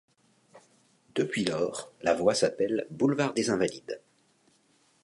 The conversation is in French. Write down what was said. Depuis lors, la voie s'appelle boulevard des Invalides.